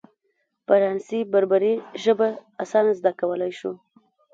فرانسې بربري ژبه اسانه زده کولای شو.